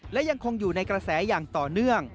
และยังคงอยู่ในกระแสอย่างต่อเนื่อง